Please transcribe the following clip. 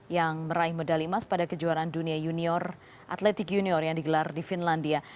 yang meraih medali emas pada kejuaraan dunia atletik junior yang digelar di finlandia